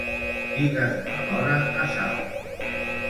Digues-me l'hora a Salt.